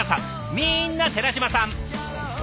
みんな寺島さん。